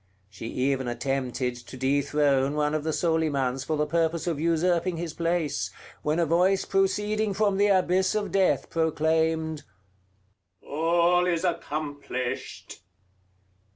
She even attempted to dethrone one of the Solimans for the purpose of usurping his place, when a voice proceeding from the abyss of Death proclaimed, "All is accomplished!"